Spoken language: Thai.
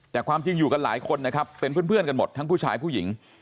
แต่ความจริงอยู่กันหลายคนนะครับเป็นเพื่อนกันหมดทั้งผู้ชายผู้หญิง